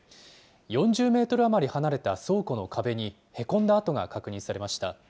４０メートル余り離れた倉庫の壁に、へこんだ痕が確認されました。